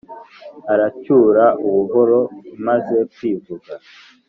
aracyura ubuhoro imaze kwivuga.